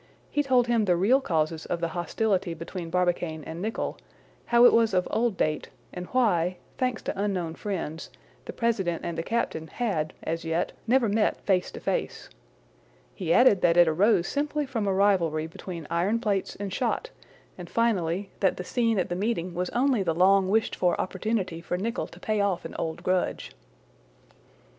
He told him the real causes of the hostility between Barbicane and Nicholl; how it was of old date, and why, thanks to unknown friends, the president and the captain had, as yet, never met face to face. He added that it arose simply from a rivalry between iron plates and shot, and, finally, that the scene at the meeting was only the long wished for opportunity for Nicholl to pay off an old grudge.